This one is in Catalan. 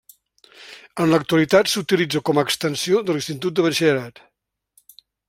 En l'actualitat s'utilitza com a Extensió de l'Institut de Batxillerat.